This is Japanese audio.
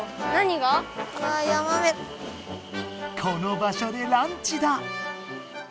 この場所でランチだ。